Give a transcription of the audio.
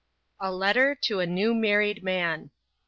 A LETTER TO A NEW MARRIED MAN.